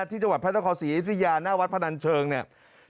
ที่จังหวัดพระนครศรีอยุธยาหน้าวัดพนันเชิงเนี่ย